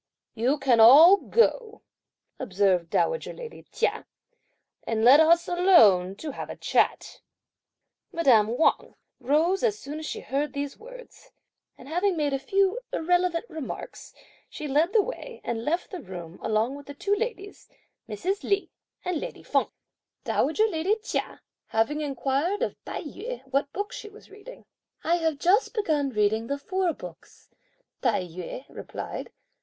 "You can all go," observed dowager lady Chia, "and let us alone to have a chat." Madame Wang rose as soon as she heard these words, and having made a few irrelevant remarks, she led the way and left the room along with the two ladies, Mrs. Li and lady Feng. Dowager lady Chia, having inquired of Tai yü what books she was reading, "I have just begun reading the Four Books," Tai yü replied.